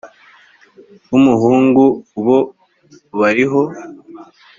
w umuhungu bo bariho